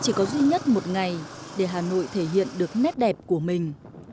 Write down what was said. chỉ có duy nhất một ngày để hà nội thể hiện được nét đẹp của mình